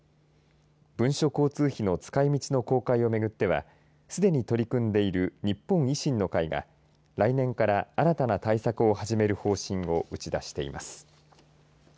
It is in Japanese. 文書交通費の使いみちの公開をめぐってはすでに取り組んでいる日本維新の会が来年から新たな対策を始める方針を打ち出しています。